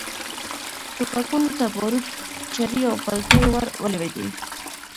ټوپکونو ته باروت، چرې او پلتې ور ولوېدې.